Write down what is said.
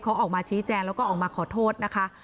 เขาออกมาชี้แจงแล้วก็ออกมาขอโทษนะคะ